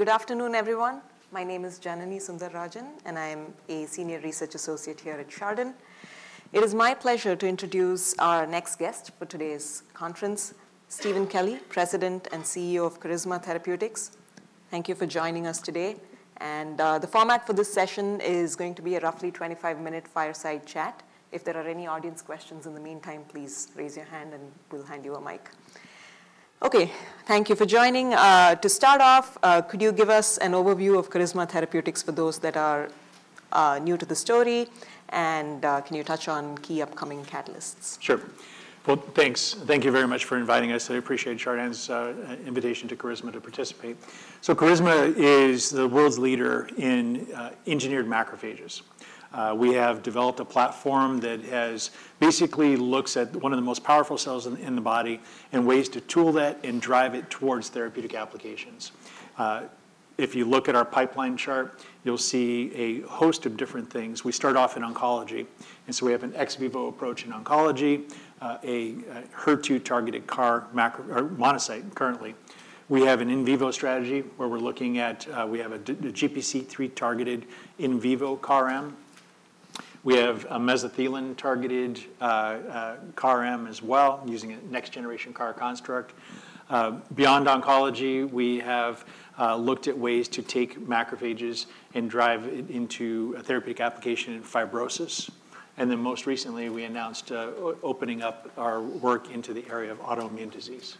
Good afternoon, everyone. My name is Janani Sundararajan, and I am a senior research associate here at Chardan. It is my pleasure to introduce our next guest for today's conference, Steven Kelly, President and CEO of Carisma Therapeutics. Thank you for joining us today, and the format for this session is going to be a roughly twenty-five-minute fireside chat. If there are any audience questions in the meantime, please raise your hand, and we'll hand you a mic. Okay, thank you for joining. To start off, could you give us an overview of Carisma Therapeutics for those that are new to the story, and can you touch on key upcoming catalysts? Sure. Well, thanks. Thank you very much for inviting us. I appreciate Chardan's invitation to Carisma to participate. So Carisma is the world's leader in engineered macrophages. We have developed a platform that has basically looks at one of the most powerful cells in the body and ways to tool that and drive it towards therapeutic applications. If you look at our pipeline chart, you'll see a host of different things. We start off in oncology, and so we have an ex vivo approach in oncology, a HER2-targeted CAR-Macrophage or monocyte currently. We have an in vivo strategy, where we're looking at we have a GPC3 targeted in vivo CAR-M. We have a mesothelin-targeted CAR-M as well, using a next generation CAR construct. Beyond oncology, we have looked at ways to take macrophages and drive it into a therapeutic application in fibrosis. And then, most recently, we announced opening up our work into the area of autoimmune disease.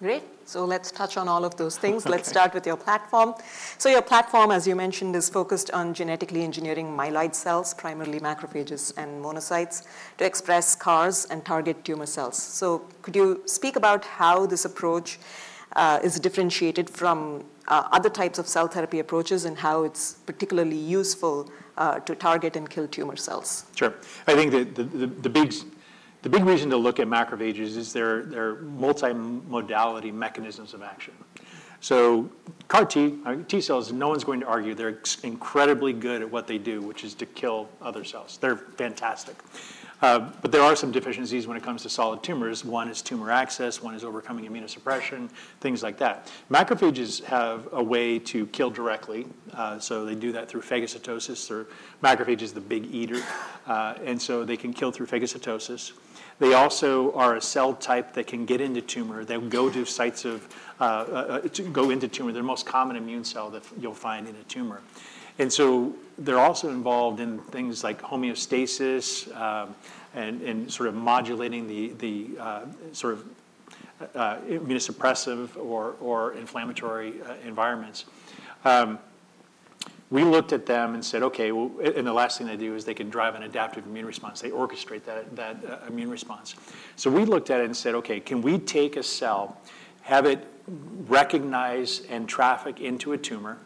Great, so let's touch on all of those things. Okay. Let's start with your platform. So your platform, as you mentioned, is focused on genetically engineering myeloid cells, primarily macrophages and monocytes, to express CARs and target tumor cells. So could you speak about how this approach is differentiated from other types of cell therapy approaches and how it's particularly useful to target and kill tumor cells? Sure. I think the big reason to look at macrophages is their multi-modality mechanisms of action. So CAR-T cells, no one's going to argue they're incredibly good at what they do, which is to kill other cells. They're fantastic. But there are some deficiencies when it comes to solid tumors. One is tumor access, one is overcoming immunosuppression, things like that. Macrophages have a way to kill directly, so they do that through phagocytosis or macrophage is the big eater, and so they can kill through phagocytosis. They also are a cell type that can get into tumor. They go to sites of to go into tumor. They're the most common immune cell that you'll find in a tumor. And so they're also involved in things like homeostasis, and sort of modulating the sort of immunosuppressive or inflammatory environments. We looked at them and said, "Okay," well, and the last thing they do is they can drive an adaptive immune response. They orchestrate that immune response. So we looked at it and said, "Okay, can we take a cell, have it recognize and traffic into a tumor,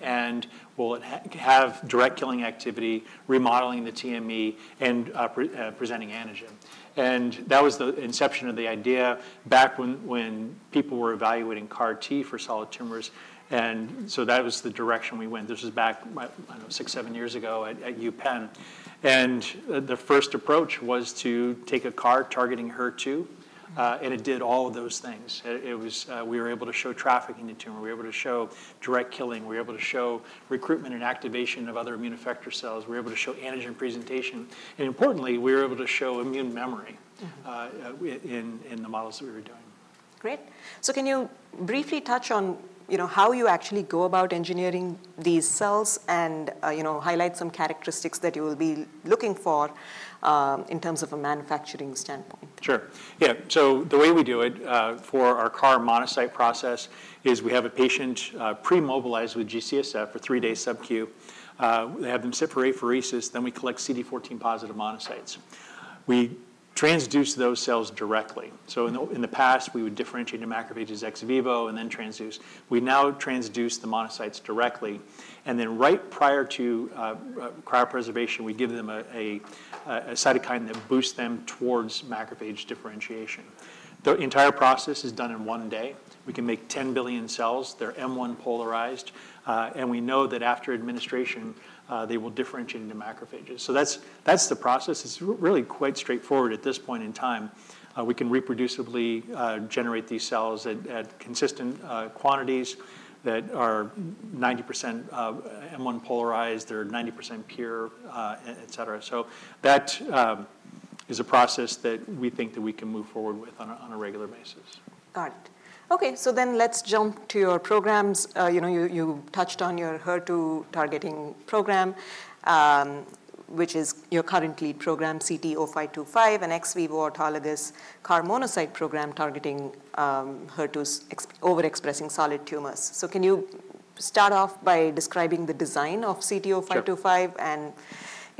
and will it have direct killing activity, remodeling the TME, and presenting antigen?" And that was the inception of the idea back when people were evaluating CAR T for solid tumors, and so that was the direction we went. This was back, what, I don't know, six, seven years ago at UPenn, and the first approach was to take a CAR targeting HER2, and it did all of those things. We were able to show traffic in the tumor. We were able to show direct killing. We were able to show recruitment and activation of other immune effector cells. We were able to show antigen presentation, and importantly, we were able to show immune memory. Mm-hmm. in the models that we were doing. Great. So can you briefly touch on, you know, how you actually go about engineering these cells and, you know, highlight some characteristics that you will be looking for, in terms of a manufacturing standpoint? Sure. Yeah, so the way we do it, for our CAR-Monocyte process is we have a patient, pre-mobilized with G-CSF for three days subQ. We have them do apheresis, then we collect CD14 positive monocytes. We transduce those cells directly. So in the past, we would differentiate the macrophages ex vivo and then transduce. We now transduce the monocytes directly, and then right prior to cryopreservation, we give them a cytokine that boosts them towards macrophage differentiation. The entire process is done in one day. We can make 10 billion cells. They're M1 polarized, and we know that after administration, they will differentiate into macrophages. So that's the process. It's really quite straightforward at this point in time. We can reproducibly generate these cells at consistent quantities that are 90% M1 polarized, or 90% pure, et cetera. So that is a process that we think that we can move forward with on a regular basis. Got it. Okay, so then let's jump to your programs. You know, you touched on your HER2 targeting program, which is your current lead program, CT-0525, an ex vivo autologous CAR-Monocyte program targeting HER2-overexpressing solid tumors. So can you start off by describing the design of CT-0525? Sure and,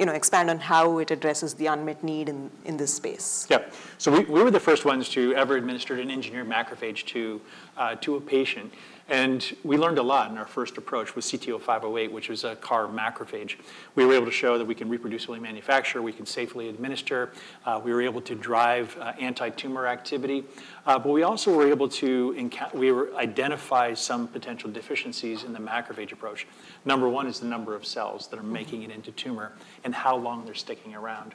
you know, expand on how it addresses the unmet need in this space? Yeah. So we were the first ones to ever administer an engineered macrophage to a patient, and we learned a lot in our first approach with CT-0508, which was a CAR-Macrophage. We were able to show that we can reproducibly manufacture, we can safely administer, we were able to drive anti-tumor activity, but we also identified some potential deficiencies in the macrophage approach. Number one is the number of cells that are making it into tumor and how long they're sticking around.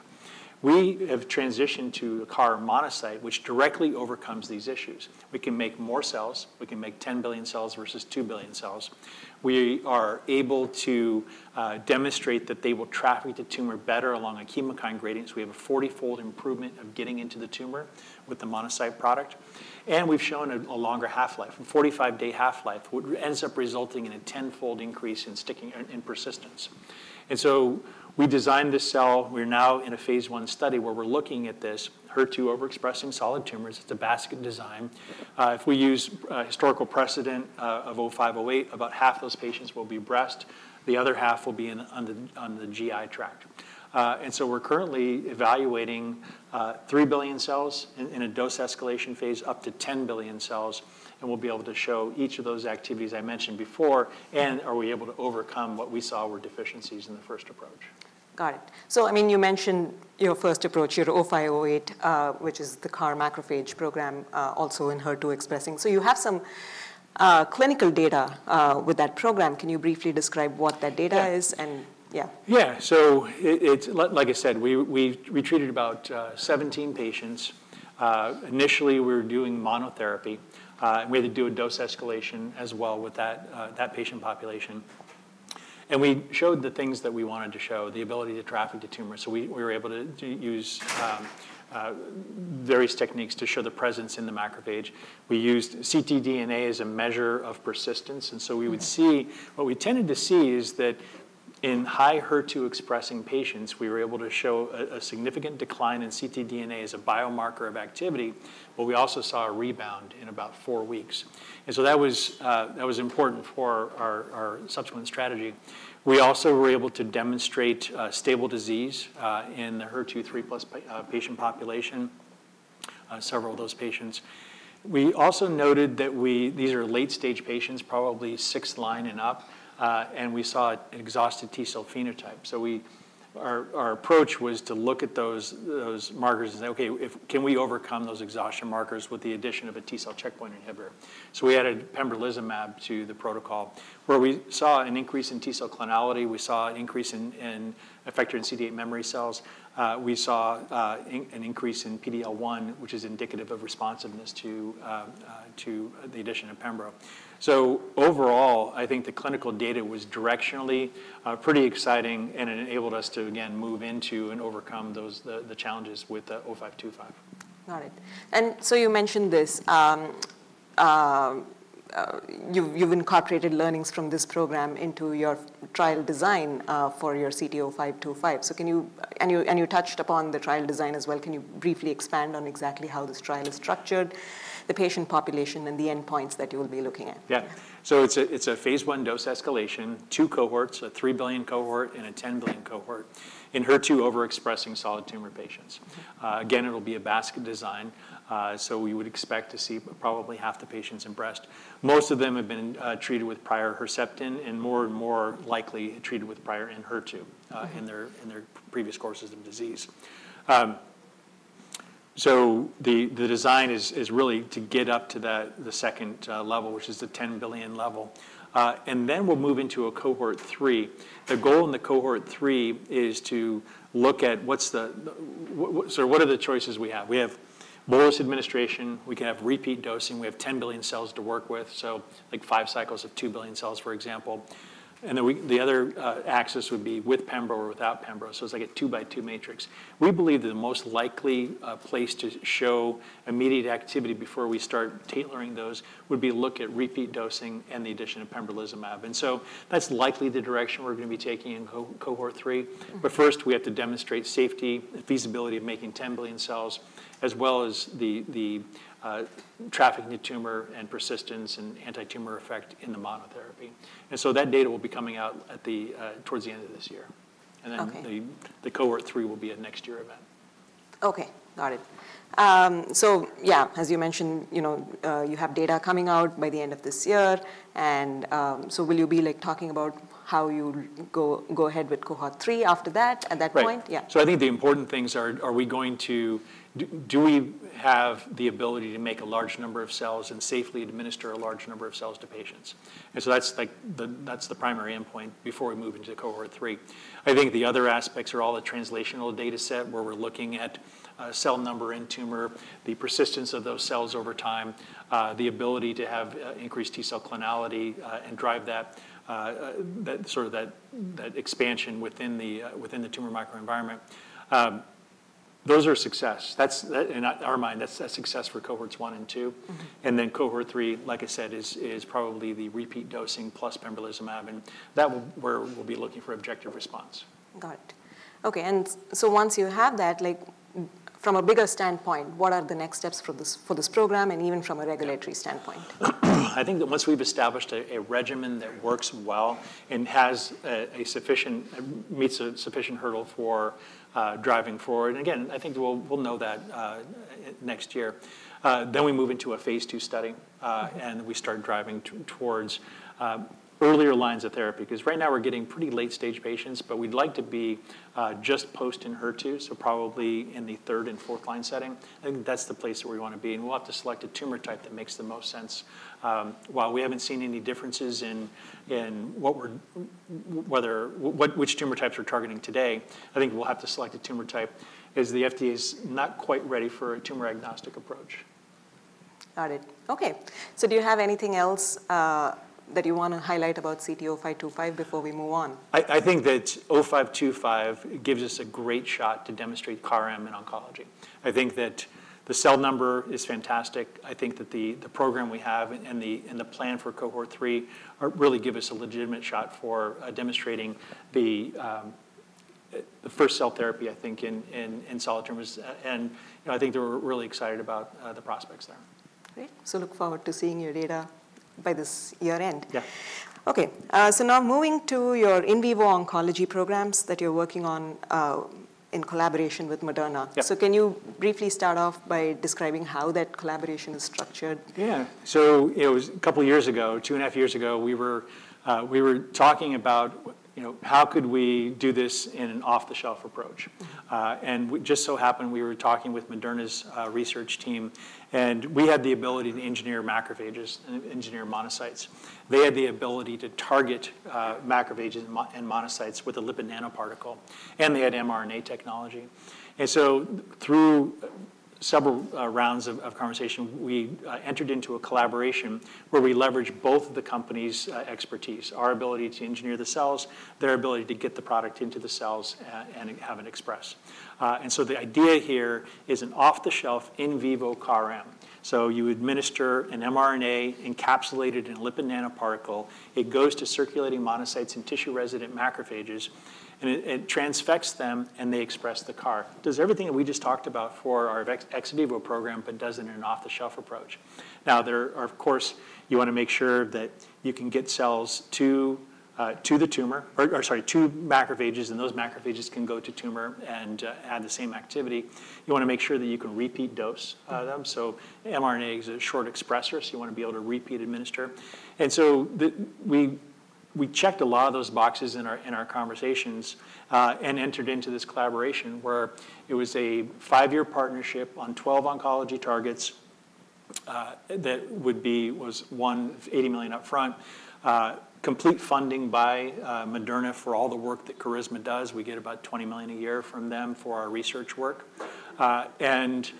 We have transitioned to a CAR-Monocyte, which directly overcomes these issues. We can make more cells. We can make ten billion cells versus two billion cells. We are able to demonstrate that they will traffic the tumor better along a chemokine gradient. We have a 40-fold improvement of getting into the tumor with the monocyte product, and we've shown a longer half-life. A 45-day half-life ends up resulting in a 10-fold increase in sticking, in persistence. So we designed this cell. We're now in a phase I study, where we're looking at this HER2 overexpressing solid tumors. It's a basket design. If we use historical precedent of 0508, about half those patients will be breast, the other half will be on the GI tract. We're currently evaluating 3 billion cells in a dose escalation phase, up to 10 billion cells, and we'll be able to show each of those activities I mentioned before, and are we able to overcome what we saw were deficiencies in the first approach? Got it. So I mean, you mentioned your first approach, your 0508, which is the CAR-Macrophage program, also in HER2 expressing. So you have some clinical data with that program. Can you briefly describe what that data is? Yeah. And yeah. Yeah. So it, like I said, we've treated about 17 patients. Initially, we were doing monotherapy, and we had to do a dose escalation as well with that patient population. We showed the things that we wanted to show, the ability to traffic the tumor. We were able to use various techniques to show the presence in the macrophage. We used ctDNA as a measure of persistence, and so- Mm... we would see what we tended to see is that in high HER2-expressing patients, we were able to show a significant decline in ctDNA as a biomarker of activity, but we also saw a rebound in about four weeks, and so that was important for our subsequent strategy. We also were able to demonstrate stable disease in the HER2 3+ patient population, several of those patients. We also noted that these are late-stage patients, probably sixth line and up, and we saw an exhausted T cell phenotype. So our approach was to look at those markers and say: "Okay, can we overcome those exhaustion markers with the addition of a T-cell checkpoint inhibitor?" So we added pembrolizumab to the protocol, where we saw an increase in T cell clonality, we saw an increase in effector CD8 memory cells. We saw an increase in PD-L1, which is indicative of responsiveness to the addition of pembro. So overall, I think the clinical data was directionally pretty exciting, and it enabled us to again move into and overcome those challenges with the 0525. Got it. And so you mentioned this, you've incorporated learnings from this program into your trial design, for your CT-0525. So can you and you touched upon the trial design as well. Can you briefly expand on exactly how this trial is structured, the patient population, and the endpoints that you will be looking at? Yeah. So it's a phase I dose escalation, two cohorts, a three billion cohort and a ten billion cohort, in HER2 overexpressing solid tumor patients. Again, it'll be a basket design, so we would expect to see probably half the patients in breast. Most of them have been treated with prior Herceptin, and more and more likely treated with prior Enhertu- Mm-hmm... in their previous courses of disease. So the design is really to get up to the second level, which is the 10 billion level. And then we'll move into a cohort three. The goal in the cohort three is to look at what. So what are the choices we have? We have bolus administration, we can have repeat dosing, we have 10 billion cells to work with, so like five cycles of 2 billion cells, for example. Then the other axis would be with pembro or without pembro, so it's like a 2-by-2 matrix. We believe that the most likely place to show immediate activity before we start tailoring those would be look at repeat dosing and the addition of pembrolizumab. That's likely the direction we're going to be taking in cohort three. Mm-hmm. But first, we have to demonstrate safety and feasibility of making ten billion cells, as well as the trafficking to tumor and persistence and antitumor effect in the monotherapy. And so that data will be coming out towards the end of this year. Okay. And then the cohort three will be a next year event. Okay, got it. So yeah, as you mentioned, you know, you have data coming out by the end of this year, and so will you be, like, talking about how you go ahead with cohort three after that, at that point? Right. Yeah. I think the important things are, do we have the ability to make a large number of cells and safely administer a large number of cells to patients? And so that's the primary endpoint before we move into cohort three. I think the other aspects are all the translational dataset, where we're looking at cell number and tumor, the persistence of those cells over time, the ability to have increased T cell clonality, and drive that sort of expansion within the tumor microenvironment. Those are success. That's, in our mind, that's a success for cohorts one and two. Mm-hmm. Then cohort three, like I said, is probably the repeat dosing plus pembrolizumab, and that's where we'll be looking for objective response. Got it. Okay, and so once you have that, like, from a bigger standpoint, what are the next steps for this, for this program, and even from a regulatory? Yeah... standpoint? I think that once we've established a regimen that works well and meets a sufficient hurdle for driving forward, and again, I think we'll know that next year, then we move into a phase II study, and we start driving towards earlier lines of therapy, because right now we're getting pretty late-stage patients, but we'd like to be just post-HER2, so probably in the third and fourth line setting. I think that's the place where we want to be, and we'll have to select a tumor type that makes the most sense. While we haven't seen any differences in which tumor types we're targeting today, I think we'll have to select a tumor type, as the FDA is not quite ready for a tumor-agnostic approach. Got it. Okay. So do you have anything else, that you want to highlight about CT-0525 before we move on? I think that 0525 gives us a great shot to demonstrate CAR-M in oncology. I think that the cell number is fantastic. I think that the program we have and the plan for cohort three are really give us a legitimate shot for demonstrating the first cell therapy, I think, in solid tumors. And, you know, I think they're really excited about the prospects there. Great. So look forward to seeing your data by this year-end. Yeah. Okay, so now moving to your in vivo oncology programs that you're working on, in collaboration with Moderna. Yeah. Can you briefly start off by describing how that collaboration is structured? Yeah, so it was a couple of years ago, two and a half years ago, we were talking about, you know, how could we do this in an off-the-shelf approach? Mm. And it just so happened we were talking with Moderna's research team, and we had the ability to engineer macrophages and engineer monocytes. They had the ability to target macrophages and monocytes with a lipid nanoparticle, and they had mRNA technology. And so through several rounds of conversation, we entered into a collaboration where we leverage both the company's expertise, our ability to engineer the cells, their ability to get the product into the cells and have it expressed. And so the idea here is an off-the-shelf in vivo CAR-M. So you administer an mRNA encapsulated in a lipid nanoparticle, it goes to circulating monocytes and tissue-resident macrophages, and it transfects them, and they express the CAR. Does everything that we just talked about for our ex vivo program, but does it in an off-the-shelf approach. Now, there are, of course, you want to make sure that you can get cells to macrophages, and those macrophages can go to tumor and have the same activity. You want to make sure that you can repeat dose them. Mm. So mRNA is a short expressor, so you want to be able to repeat administer. And so we checked a lot of those boxes in our conversations, and entered into this collaboration, where it was a five-year partnership on 12 oncology targets, that would be $180 million up front, complete funding by Moderna for all the work that Carisma does. We get about $20 million a year from them for our research work. And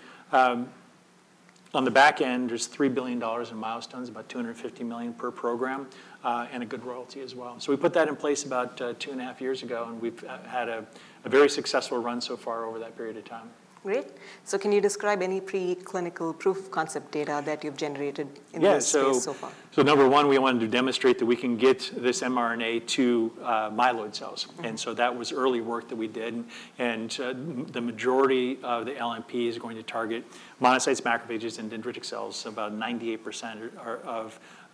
on the back end, there's $3 billion in milestones, about $250 million per program, and a good royalty as well. So we put that in place about two and a half years ago, and we've had a very successful run so far over that period of time. Great. So can you describe any preclinical proof of concept data that you've generated in this space so far? Yeah. So, so number one, we wanted to demonstrate that we can get this mRNA to myeloid cells. Mm. That was early work that we did, and the majority of the LNP is going to target monocytes, macrophages, and dendritic cells. About 98%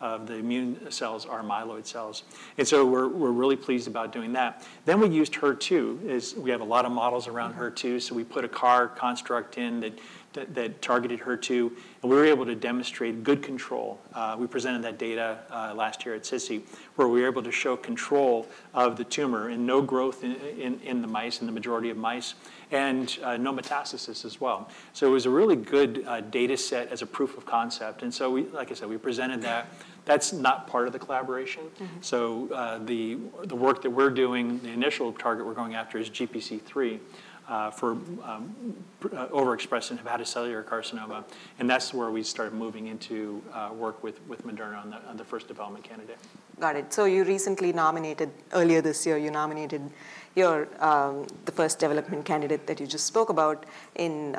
of the immune cells are myeloid cells. And so we're really pleased about doing that. Then we used HER2. We have a lot of models around HER2, so we put a CAR construct in that targeted HER2, and we were able to demonstrate good control. We presented that data last year at SITC, where we were able to show control of the tumor and no growth in the mice, in the majority of mice, and no metastasis as well. So it was a really good data set as a proof of concept, and so we like I said, we presented that. Yeah. That's not part of the collaboration. Mm-hmm. So, the work that we're doing, the initial target we're going after is GPC3 for overexpressed in hepatocellular carcinoma, and that's where we started moving into work with Moderna on the first development candidate. Got it. So earlier this year, you nominated your, the first development candidate that you just spoke about in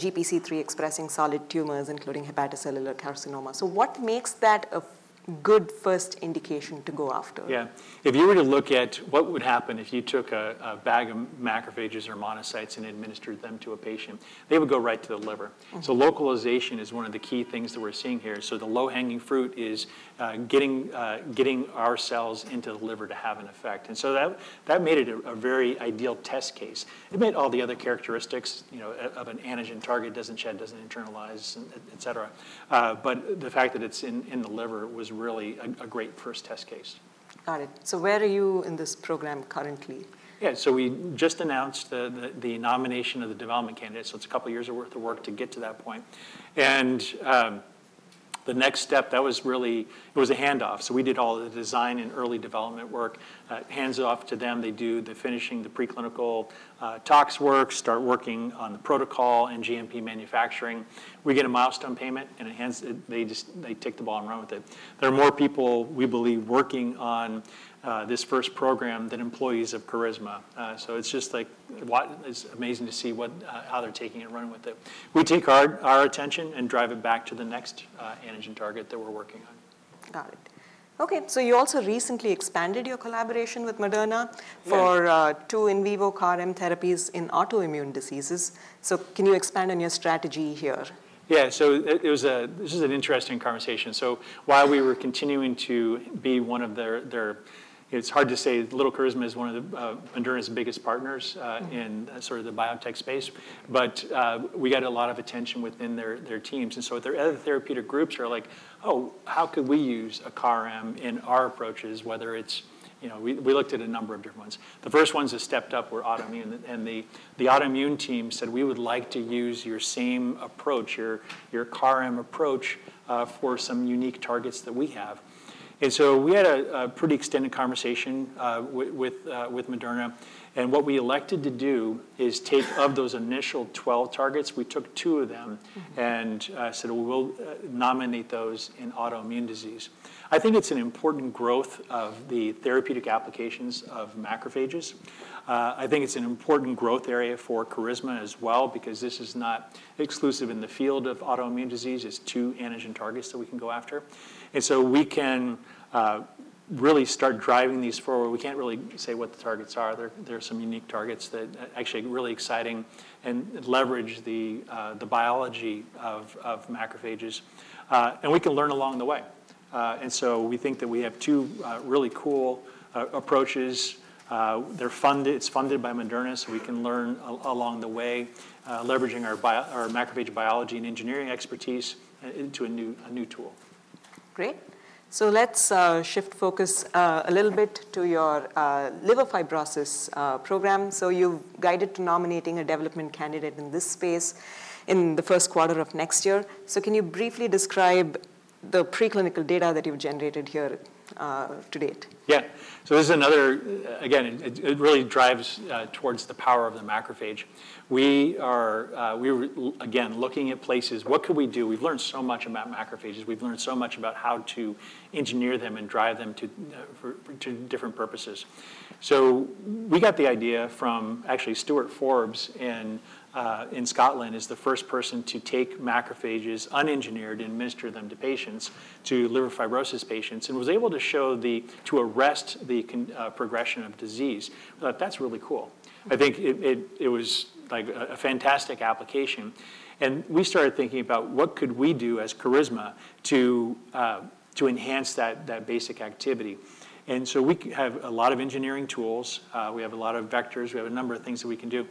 GPC3 expressing solid tumors, including hepatocellular carcinoma. So what makes that a good first indication to go after? Yeah. If you were to look at what would happen if you took a bag of macrophages or monocytes and administered them to a patient, they would go right to the liver. Mm. So localization is one of the key things that we're seeing here. So the low-hanging fruit is getting our cells into the liver to have an effect. And so that made it a very ideal test case. It met all the other characteristics, you know, of an antigen target, doesn't shed, doesn't internalize, et cetera. But the fact that it's in the liver was really a great first test case. Got it. So where are you in this program currently? Yeah, so we just announced the nomination of the development candidate, so it's a couple of years' worth of work to get to that point. And the next step, that was really... It was a handoff. So we did all the design and early development work, hands it off to them. They do the finishing, the preclinical, tox work, start working on the protocol and GMP manufacturing. We get a milestone payment, and it hands-- they just, they take the ball and run with it. There are more people, we believe, working on this first program than employees of Carisma. So it's just like, what-- it's amazing to see what-- how they're taking it and running with it. We take our attention and drive it back to the next antigen target that we're working on. Got it. Okay, so you also recently expanded your collaboration with Moderna. Yeah... for two in vivo CAR-M therapies in autoimmune diseases. So can you expand on your strategy here? Yeah, this is an interesting conversation. So while we were continuing to be one of their, it's hard to say, little Carisma is one of the Moderna's biggest partners. Mm... in sort of the biotech space, but we get a lot of attention within their teams. And so their other therapeutic groups are like: "Oh, how could we use a CAR-M in our approaches, whether it's..." You know, we looked at a number of different ones. The first ones that stepped up were autoimmune, and the autoimmune team said: "We would like to use your same approach, your CAR-M approach for some unique targets that we have." And so we had a pretty extended conversation with Moderna, and what we elected to do is take of those initial twelve targets, we took two of them- Mm-hmm... and said, "We will nominate those in autoimmune disease." I think it's an important growth of the therapeutic applications of macrophages. I think it's an important growth area for Carisma as well, because this is not exclusive in the field of autoimmune disease. It's two antigen targets that we can go after, and so we can really start driving these forward. We can't really say what the targets are. There are some unique targets that actually are really exciting, and leverage the biology of macrophages, and we can learn along the way, and so we think that we have two really cool approaches. It's funded by Moderna, so we can learn along the way, leveraging our macrophage biology and engineering expertise into a new tool. Great. So let's shift focus a little bit to your liver fibrosis program. So you've guided to nominating a development candidate in this space in the first quarter of next year. So can you briefly describe the preclinical data that you've generated here to date? Yeah. So this is another... again, it really drives towards the power of the macrophage. We are, we were looking at places, again, what could we do? We've learned so much about macrophages. We've learned so much about how to engineer them and drive them to, for, to different purposes. So we got the idea from, actually, Stuart Forbes in Scotland is the first person to take macrophages, un-engineered, and administer them to patients, to liver fibrosis patients, and was able to show to arrest the progression of disease. We thought, "That's really cool." I think it was, like, a fantastic application, and we started thinking about, what could we do as Carisma to, to enhance that basic activity? We have a lot of engineering tools. We have a lot of vectors. We have a number of things that we can do.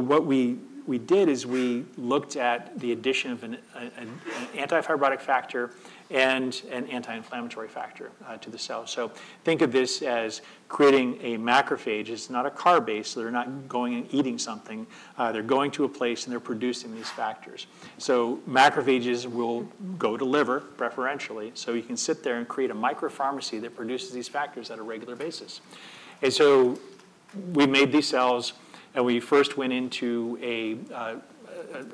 What we did is we looked at the addition of an anti-fibrotic factor and an anti-inflammatory factor to the cell. Think of this as creating a macrophage. It's not CAR-based, so they're not going and eating something. They're going to a place, and they're producing these factors. Macrophages will go to liver preferentially, so you can sit there and create a micropharmacy that produces these factors on a regular basis. We made these cells, and we first went into an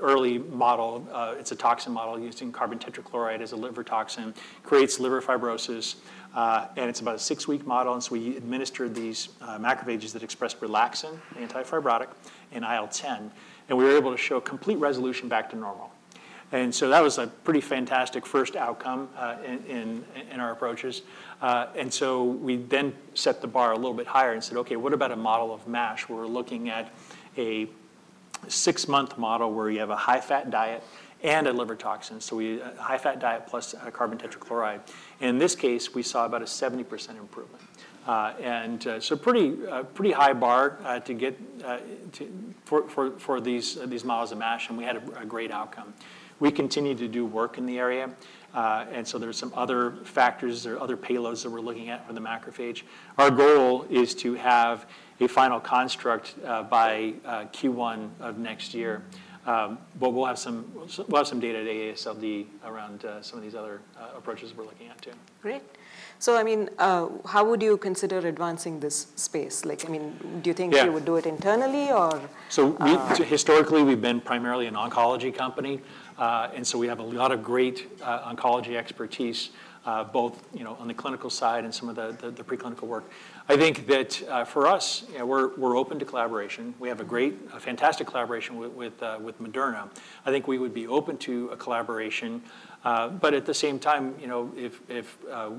early model. It's a toxin model using carbon tetrachloride as a liver toxin. Creates liver fibrosis, and it's about a six-week model, and so we administered these macrophages that expressed relaxin, anti-fibrotic, and IL-10, and we were able to show complete resolution back to normal. And so that was a pretty fantastic first outcome in our approaches. And so we then set the bar a little bit higher and said, "Okay, what about a model of MASH, where we're looking at a six-month model where you have a high-fat diet and a liver toxin?" High-fat diet plus carbon tetrachloride. In this case, we saw about a 70% improvement. And so pretty, a pretty high bar to get to for these models of MASH, and we had a great outcome. We continue to do work in the area, and so there are some other factors or other payloads that we're looking at for the macrophage. Our goal is to have a final construct by Q1 of next year. But we'll have some data at AASLD around some of these other approaches we're looking at too. Great. So, I mean, how would you consider advancing this space? Like, I mean- Yeah... do you think you would do it internally, or? So, we historically have been primarily an oncology company, and so we have a lot of great oncology expertise, both, you know, on the clinical side and some of the preclinical work. I think that, for us, we're open to collaboration. We have a great, fantastic collaboration with Moderna. I think we would be open to a collaboration, but at the same time, you know, if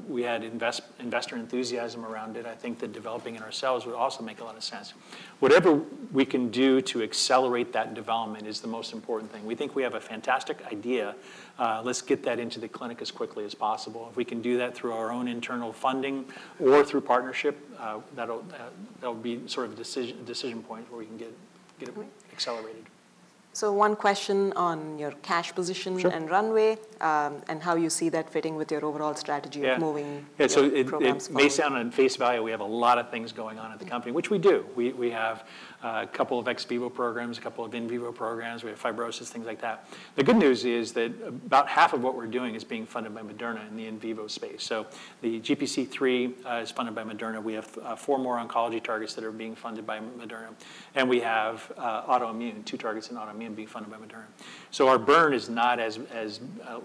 we had investor enthusiasm around it, I think that developing it ourselves would also make a lot of sense. Whatever we can do to accelerate that development is the most important thing. We think we have a fantastic idea. Let's get that into the clinic as quickly as possible. If we can do that through our own internal funding or through partnership, that'll be sort of a decision point where we can get it- Mm... accelerated. So one question on your cash position- Sure... and runway, and how you see that fitting with your overall strategy? Yeah... of moving- Yeah, so it- the program forward... based on face value, we have a lot of things going on at the company, which we do. We have a couple of ex vivo programs, a couple of in vivo programs, we have fibrosis, things like that. The good news is that about half of what we're doing is being funded by Moderna in the in vivo space. So the GPC3 is funded by Moderna. We have four more oncology targets that are being funded by Moderna, and we have two targets in autoimmune being funded by Moderna. So our burn is not as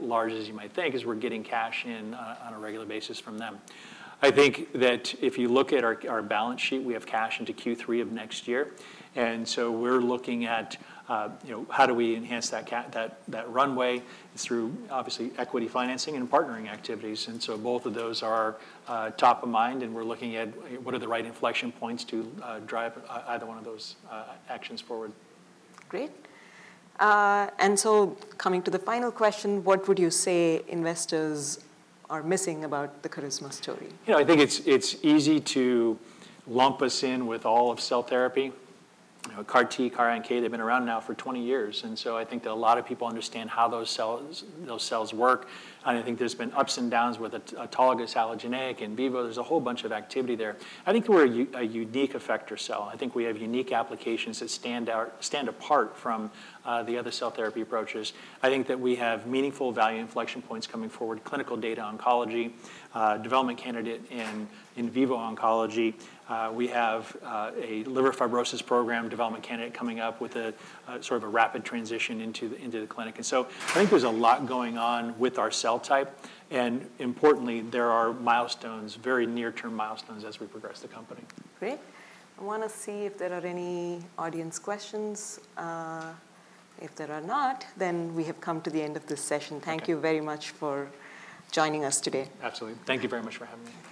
large as you might think, 'cause we're getting cash in on a regular basis from them. I think that if you look at our balance sheet, we have cash into Q3 of next year, and so we're looking at, you know, how do we enhance that runway through, obviously, equity financing and partnering activities, and so both of those are top of mind, and we're looking at what are the right inflection points to drive either one of those actions forward. Great. And so coming to the final question, what would you say investors are missing about the Carisma story? You know, I think it's easy to lump us in with all of cell therapy. You know, CAR T, CAR NK, they've been around now for twenty years, and so I think that a lot of people understand how those cells work. And I think there's been ups and downs with autologous, allogeneic, in vivo, there's a whole bunch of activity there. I think we're a unique effector cell. I think we have unique applications that stand apart from the other cell therapy approaches. I think that we have meaningful value inflection points coming forward, clinical data oncology, development candidate in vivo oncology. We have a liver fibrosis program development candidate coming up with a sort of a rapid transition into the clinic. And so I think there's a lot going on with our cell type, and importantly, there are milestones, very near-term milestones, as we progress the company. Great. I want to see if there are any audience questions. If there are not, then we have come to the end of this session. Okay. Thank you very much for joining us today. Absolutely. Thank you very much for having me.